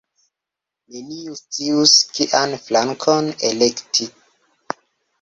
Neniu scius kian flankon elekti.